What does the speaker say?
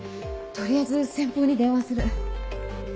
取りあえず先方に電話する。